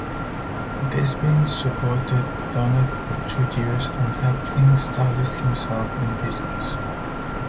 Desvignes supported Thonet for two years and helped him establish himself in business.